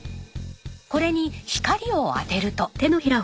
これに光を当てると。